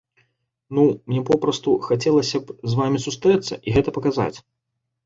Ну, мне папросту хацелася б з вамі сустрэцца і гэта паказаць.